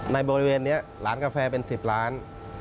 ในบริเวณนี้ร้านกาแฟเป็น๑๐ล้าน